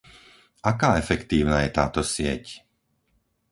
Aká efektívna je táto sieť?